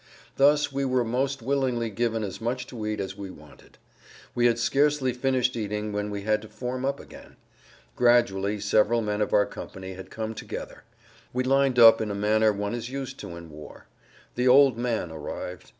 Thus we were most willingly given as much to eat as we wanted. We had scarcely finished eating when we had to form up again. Gradually several men of our company had come together. We lined up in a manner one is used to in war. The "old man" arrived.